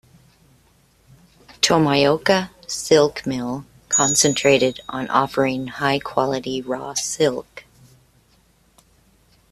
Tomioka Silk Mill concentrated on offering high-quality raw silk.